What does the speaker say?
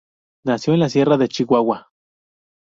Nació en la Sierra de Chihuahua.